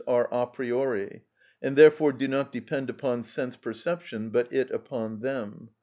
_, are a priori, and therefore do not depend upon sense perception, but it upon them.